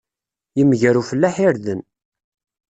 Yemger ufellaḥ irden.